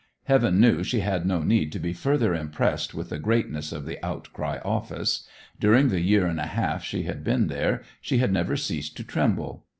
Heaven knew she had no need to be further impressed with the greatness of "The Outcry" office. During the year and a half she had been there she had never ceased to tremble.